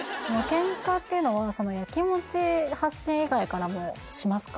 ケンカっていうのはヤキモチ発信以外からもしますか？